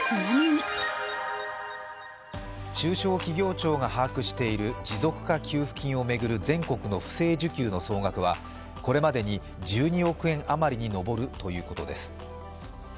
中小企業庁が把握している持続化給付金を巡る全国の不正受給の総額はこれまでに１２億円あまりに上るということです。